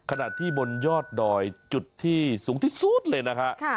ขณะที่บนยอดดอยจุดที่สูงที่สุดเลยนะฮะ